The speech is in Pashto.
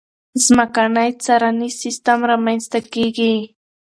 ځمکنی څارنیز سیستم رامنځته کېږي.